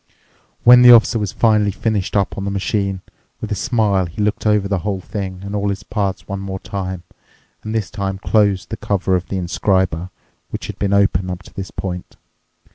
When the Officer was finally finished up on the machine, with a smile he looked over the whole thing and all its parts one more time, and this time closed the cover of the inscriber, which had been open up to this point.